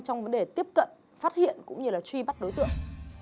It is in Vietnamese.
trong vấn đề tiếp cận phát hiện cũng như là truy bắt đối tượng